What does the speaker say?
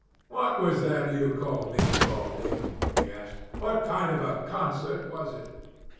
"What was that you called me, Baldy?" he asked. "What kind of a concert was it?"